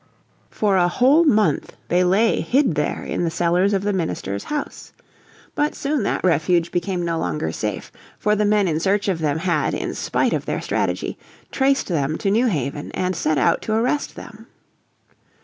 For a whole month they lay hid there in the cellars of the minister's house. But soon that refuge became no longer safe, for the men in search of them had, in spite of their strategy, traced them to New Haven and set out to arrest them.